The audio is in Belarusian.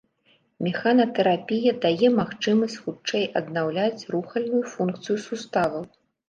Механатэрапія дае магчымасць хутчэй аднаўляць рухальную функцыю суставаў.